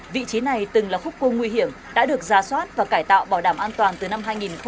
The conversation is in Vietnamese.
vị trí này từng là khúc cua nguy hiểm đã được ra soát và cải tạo bảo đảm an toàn từ năm hai nghìn một mươi